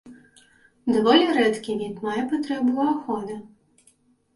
Даволі рэдкі від, мае патрэбу ў ахове.